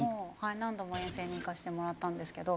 何度も遠征に行かせてもらったんですけど。